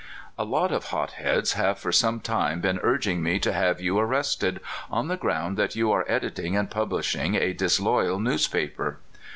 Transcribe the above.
"A lot of hot heads have for sometime been urg ing me to have you arrested on the ground that you are editing and publishing a disloyal newspa per.